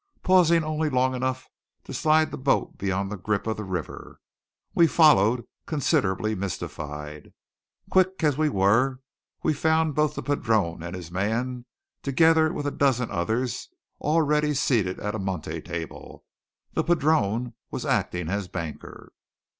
Pausing only long enough to slide the boat beyond the grip of the river, we followed, considerably mystified. Quick as we were, we found both the padrone and his man, together with a dozen others, already seated at a monte table. The padrone was acting as banker!